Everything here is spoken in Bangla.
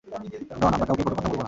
ডন, আমরা কাউকে কটু কথা বলব না!